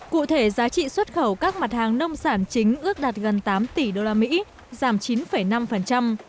cụ thể giá trị xuất khẩu các mặt hàng nông sản chính ước đạt gần tám tỷ usd giảm chín năm